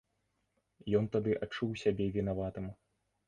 Ён тады адчуў сябе вінаватым.